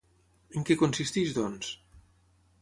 En què consisteix, doncs?